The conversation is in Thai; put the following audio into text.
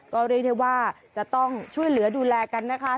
ก็เรียกได้ว่าจะต้องช่วยเหลือดูแลกันนะคะ